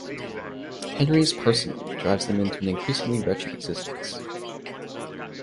Henry's parsimony drives them into an increasingly wretched existence.